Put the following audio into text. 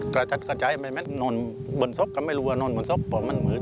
กระจัดกระจายแม่นนอนบนศพก็ไม่รู้ว่านอนบนศพป่ะมันมืด